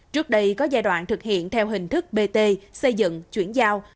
trước đây có giai đoạn thực hiện theo hình thức bt xây dựng chuyển giao